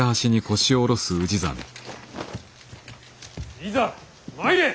いざ参れ！